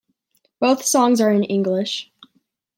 Both songs are in English.